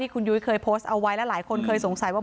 ที่คุณยุยเคยโปรสเอาไว้แล้วหลายคนสงสัยว่า